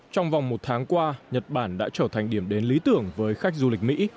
trong vòng một tháng qua nhật bản đã trở thành điểm đến lý tưởng với khách du lịch mỹ